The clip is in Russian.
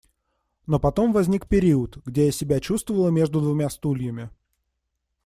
Но потом возник период, где я себя чувствовала между двумя стульями.